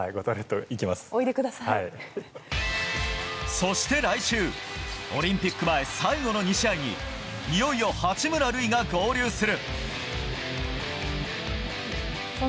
そして来週オリンピック前最後の２試合にいよいよ八村塁が合流する。